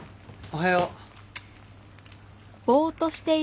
おはよう。